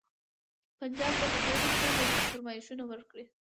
پنجاب به د دې وس نه لري چې فرمایشونه ورکړي.